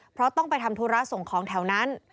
เพราะต้องไปทำธุระส่งของแถวนั้น